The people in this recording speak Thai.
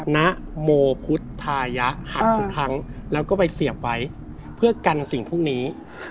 ณโมพุทธทายะหักทุกครั้งแล้วก็ไปเสียบไว้เพื่อกันสิ่งพวกนี้